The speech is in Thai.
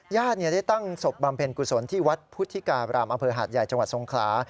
ญาติได้ตั้งศพบำเพ็ญกุศลที่วัดพุทธิการามอำเภอหาดใหญ่จังหวัดทรงขลา